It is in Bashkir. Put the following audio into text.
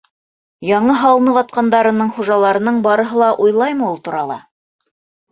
Яңы һалынып ятҡандарының хужаларының барыһы ла уйлаймы ул турала?